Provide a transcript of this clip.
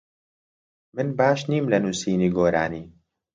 من باش نیم لە نووسینی گۆرانی.